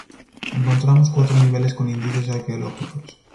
Encontramos cuatro niveles con indicios arqueológicos.